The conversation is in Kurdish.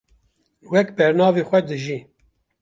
wek bernavê xwe dijî